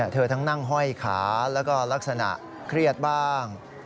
ทั้งนั่งห้อยขาแล้วก็ลักษณะเครียดบ้าง